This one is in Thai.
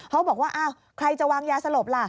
เขาบอกว่าอ้าวใครจะวางยาสลบล่ะ